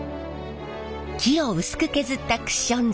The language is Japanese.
木を薄く削ったクッション材。